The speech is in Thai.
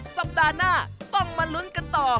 สัปดาห์หน้าต้องมาลุ้นกันต่อ